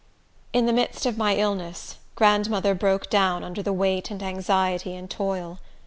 In the midst of my illness, grandmother broke down under the weight and anxiety and toil.